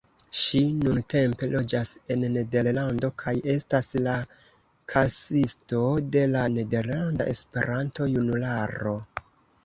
Ŝi nuntempe loĝas en Nederlando kaj estas la kasisto de la Nederlanda Esperanto-Junularo.